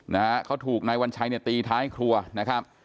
นะฮะเขาถูกนายวัญชัยเนี่ยตีท้ายครัวนะครับ